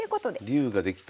竜ができた。